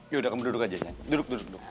yaudah kamu duduk aja duduk duduk duduk